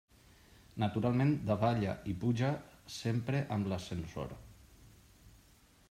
Naturalment davalla i puja sempre amb l'ascensor.